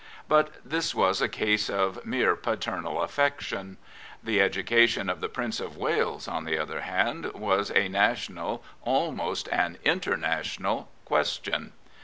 But this was a case of mere paternal affection. The education of the Prince of Wales, on the other hand, was a national, almost an international question.